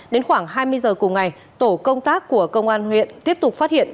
đến khoảng hai mươi giờ cùng ngày tổ công tác của công an huyện tiếp tục phát hiện